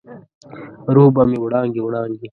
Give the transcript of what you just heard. روح به مې وړانګې، وړانګې،